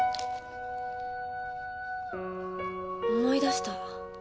思い出した。